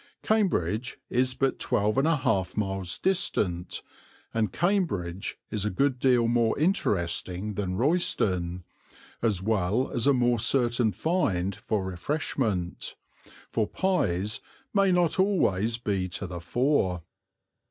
Cambridge is but 12 1/2 miles distant, and Cambridge is a good deal more interesting than Royston, as well as a more certain find for refreshment, for pies may not always be to the fore.